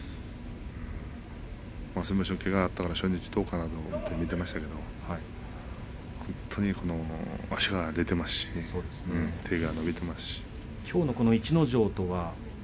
先場所、けががあったから初日どうかなと思って見ていましたけども本当に足が出て手が伸びていますしね。